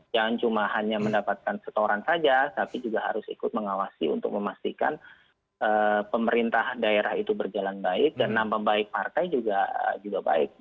jangan cuma hanya mendapatkan setoran saja tapi juga harus ikut mengawasi untuk memastikan pemerintah daerah itu berjalan baik dan nampak baik partai juga baik